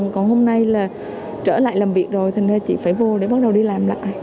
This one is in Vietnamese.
còn hôm nay là trở lại làm việc rồi thành nên chị phải vô để bắt đầu đi làm lại